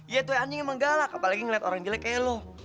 iya tuh anjing emang galak apalagi ngeliat orang jelek kayak lu